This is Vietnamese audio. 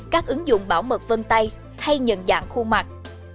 các ứng dụng bảo mật vân tay hay nhận dạng khuôn mặt